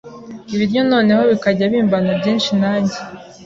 ibiryo noneho bikajya bimbana byinshi nanjye